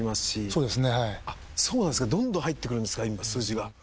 そうなんですかどんどん入ってくるんですか今数字が。